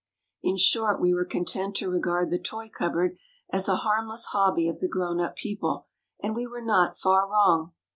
In short, we were content to regard the toy cupboard as a harmless hobby of the grown up people, and we were not far wrong.